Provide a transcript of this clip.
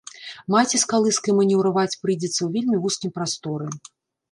Маці з калыскай манеўраваць прыйдзецца ў вельмі вузкім прасторы.